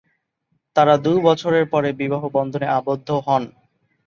তারা দু'বছরের পরে বিবাহ বন্ধনে আবদ্ধ হন।